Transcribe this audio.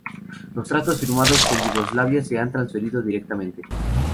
Los tratados firmados con Yugoslavia se han transferido directamente.